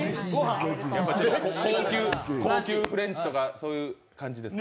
高級フレンチとか、そういう感じですか？